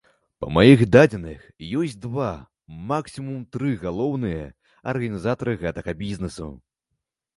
Па маіх дадзеных, ёсць два, максімум тры галоўныя арганізатары гэтага бізнесу.